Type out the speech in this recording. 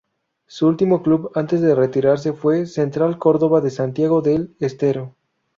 Su último club antes de retirarse fue Central Córdoba de Santiago del Estero.